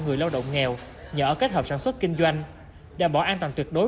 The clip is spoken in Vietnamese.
người lao động nghèo nhỏ kết hợp sản xuất kinh doanh đảm bảo an toàn tuyệt đối